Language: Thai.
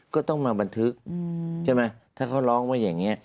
ก็ต้องมาบันทึกใช่ไหมถ้าเขาร้องไว้อย่างนี้